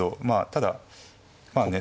ただまあね